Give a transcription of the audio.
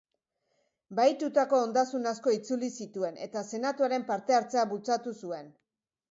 Bahitutako ondasun asko itzuli zituen eta Senatuaren parte-hartzea bultzatu zuen.